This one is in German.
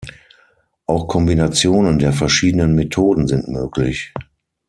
Auch Kombinationen der verschiedenen Methoden sind möglich.